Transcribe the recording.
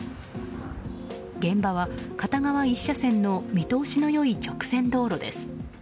現場は片側１車線の見通しの良い直線道路です。